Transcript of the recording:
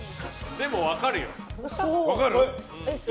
でも分かるよ。